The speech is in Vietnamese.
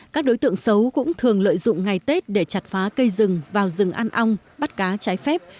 các đối tượng xấu cũng thường lợi dụng ngày tết để chặt phá cây rừng vào rừng ăn ong bắt cá trái phép